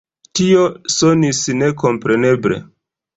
Tio sonis ne kompreneble.